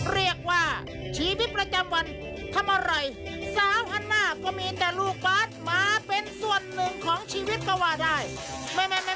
เรียกว่าชีวิตประจำวันทำอะไรสาวฮันน่าก็มีแต่ลูกบาทมาเป็นส่วนหนึ่งของชีวิตก็ว่าได้แม่